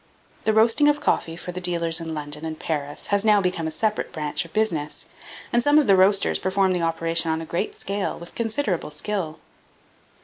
The roasting of coffee for the dealers in London and Paris has now become a separate branch of business, and some of the roasters perform the operation on a great scale, with considerable skill.